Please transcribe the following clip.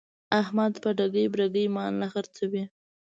احمد په ټګۍ برگۍ مال نه خرڅوي.